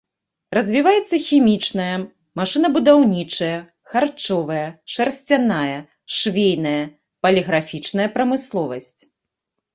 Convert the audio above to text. Развіваецца хімічная, машынабудаўнічая, харчовая, шарсцяная, швейная, паліграфічная прамысловасць.